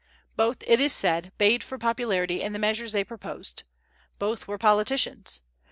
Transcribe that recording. Both, it is said, bade for popularity in the measures they proposed. Both were politicians.